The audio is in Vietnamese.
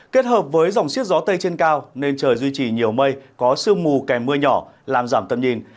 kết hợp với dòng siết gió tây trên cao nên trời duy trì nhiều mây có sương mù kèm mưa nhỏ làm giảm tầm nhìn